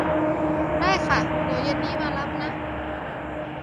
ได้ค่ะ เดี๋ยวเย็นนี้มารับนะ